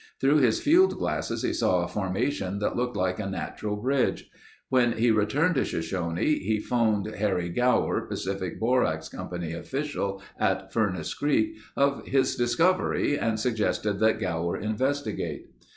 Through his field glasses he saw a formation that looked like a natural bridge. When he returned to Shoshone he phoned Harry Gower, Pacific Borax Co. official at Furnace Creek of his discovery and suggested that Gower investigate.